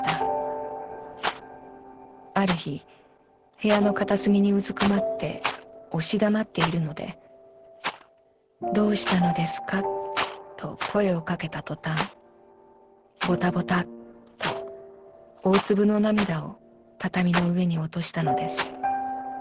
ある日部屋の片隅に蹲って押し黙っているので『どうしたのですか』と声をかけた途端ボタボタと大粒の涙を畳の上に落としたのです。